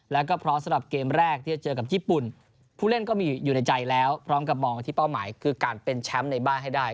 แล้วก็พร้อมสำหรับเกมแรกที่จะเจอกับญี่ปุ่นผู้เล่นก็มีอยู่ในใจแล้วพร้อมกับมองที่เป้าหมายคือการเป็นแชมป์ในบ้านให้ได้